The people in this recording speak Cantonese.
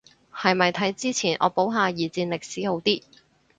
係咪睇之前惡補下二戰歷史好啲